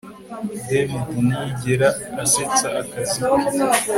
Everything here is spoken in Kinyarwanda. David ntiyigera asetsa akazi ke